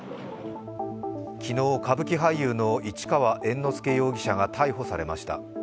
昨日、歌舞伎俳優の市川猿之助容疑者が逮捕されました。